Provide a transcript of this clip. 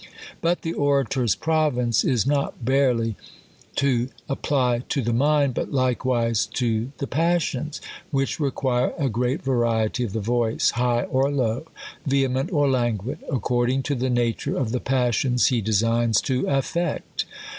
But the orator's province is not barely to apply to the mind, but likewise to the passions ; which require a great variety of the voice, high or low, vehement or languid, according to the nature of the passions he designs to affect.